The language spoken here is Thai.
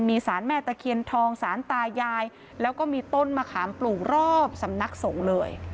มีสารแม่ตะเคียนทองสารตายายแล้วก็มีต้นมะขามปลูกรอบสำนักสงฆ์เลย